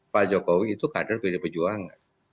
pak jokowi itu kader pdi perjuangan